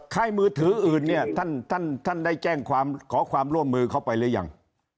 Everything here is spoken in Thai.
ค่ายมือถืออื่นเนี่ยท่านได้แจ้งความขอความร่วมมือเข้าไปหรือยัง